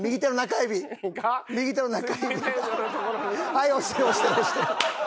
はい押してる押してる押してる。